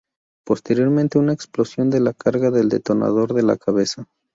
Posteriormente una explosión de la carga del detonador de la cabeza.